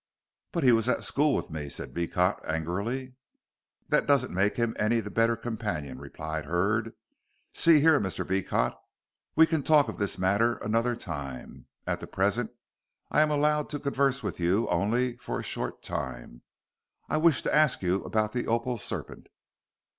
"But he was at school with me," said Beecot, angrily. "That doesn't make him any the better companion," replied Hurd; "see here, Mr. Beecot, we can talk of this matter another time. At present, as I am allowed to converse with you only for a short time, I wish to ask you about the opal serpent."